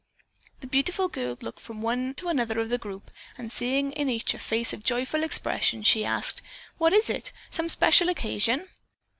The beautiful girl looked from one to another of the group and seeing in each face a joyful expression, she asked: "What is it? Some special occasion?"